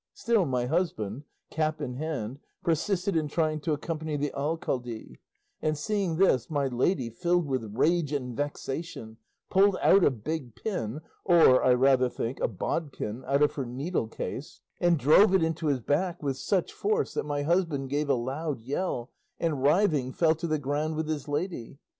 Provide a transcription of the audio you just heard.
Still my husband, cap in hand, persisted in trying to accompany the alcalde, and seeing this my lady, filled with rage and vexation, pulled out a big pin, or, I rather think, a bodkin, out of her needle case and drove it into his back with such force that my husband gave a loud yell, and writhing fell to the ground with his lady.